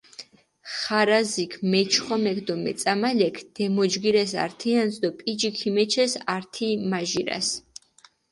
ხარაზიქ, მეჩხომექ დო მეწამალექ დემოჯგირეს ართიანსჷ დო პიჯი ქიმეჩეს ართი-მაჟირას.